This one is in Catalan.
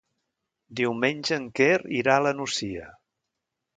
Diumenge en Quer irà a la Nucia.